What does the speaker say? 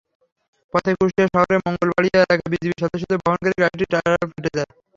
পথে কুষ্টিয়া শহরের মঙ্গলবাড়িয়া এলাকায় বিজিবি সদস্যদের বহনকারী গাড়িটির টায়ার ফেটে যায়।